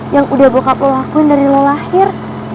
yang udah bokap lo lakuin dari lo lahir